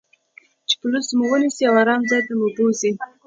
چې پولیس مو و نییسي او آرام ځای ته مو بوزي.